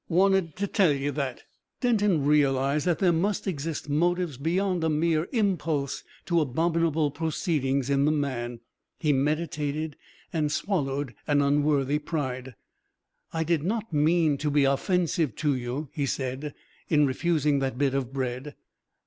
Wanted to tell you that." Denton realised that there must exist motives beyond a mere impulse to abominable proceedings in the man. He meditated, and swallowed an unworthy pride. "I did not mean to be offensive to you," he said, "in refusing that bit of bread."